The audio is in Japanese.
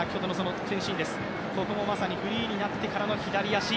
ここもまさにフリーになってからの左足。